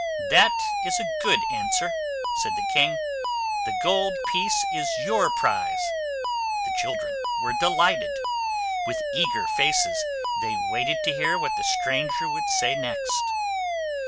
"That is a good answer," said the king. "The gold piece is your prize." The children were de light ed. With eager faces they waited to hear what the stranger would say next.